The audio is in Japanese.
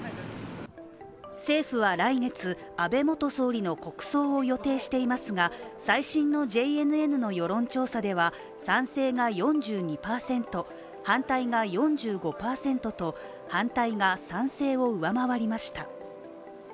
政府は来月、安倍元総理の国葬を予定していますが最新のＪＮＮの世論調査では賛成が４２％反対が４５％と、反対が賛成を上回りました。